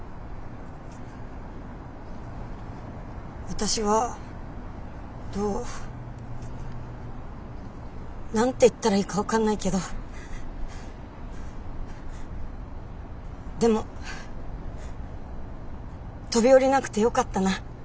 私はどう何て言ったらいいか分かんないけどでも飛び降りなくてよかったな。